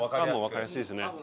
わかりやすいですね。